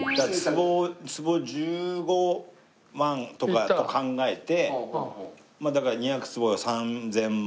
坪１５万とかと考えてまあだから２００坪が３０００万。